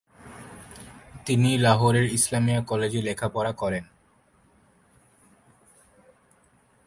তিনি লাহোরের ইসলামিয়া কলেজে লেখাপড়া করেন।